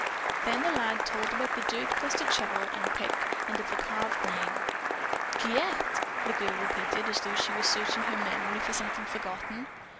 Then the lad told about the dirt crusted shovel and pick and of the carved name. "Giguette!" the girl repeated as though she were searching her memory for something forgotten.